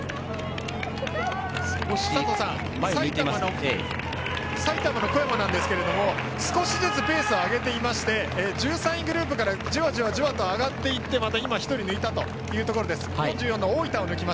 佐藤さん、埼玉の小山ですが少しずつペースを上げていまして１３位グループから、じわじわと上がっていってまた１人抜いたところです。